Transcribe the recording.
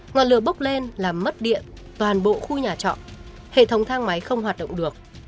ngọn lửa bốc lên làm mất điện toàn bộ khu nhà trọ hệ thống thang máy không hoạt động được